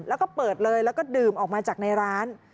แล้วก็เปิดเลยแล้วก็ดื่มออกมาจากในร้าน